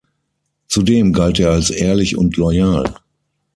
Zudem galt er als ehrlich und loyal.